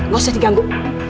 gak usah diganggu